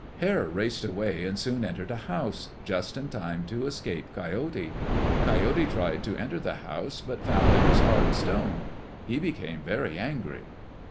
Hare raced away and soon entered a house, just in time to escape Coyote. Coyote tried to enter the house but found it was hard stone. He became very angry.